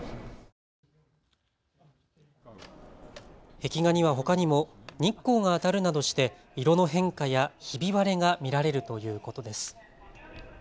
壁画にはほかにも日光が当たるなどして色の変化やひび割れが見られるということです。